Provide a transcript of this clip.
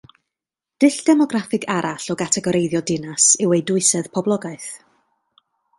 Dull demograffig arall o gategoreiddio dinas yw ei dwysedd poblogaeth